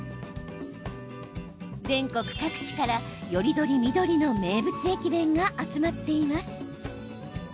全国各地から、より取り見取りの名物駅弁が集まっています。